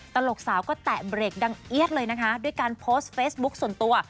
ตลกสาวก็แตะเบรกดังเอี๊ยดเลยนะคะด้วยการโพสต์เฟซบุ๊คส่วนตัว